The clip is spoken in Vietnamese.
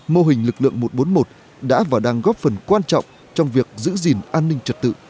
mô hình lực lượng một trăm bốn mươi một đã và đang góp phần quan trọng trong việc giữ gìn an ninh trật tự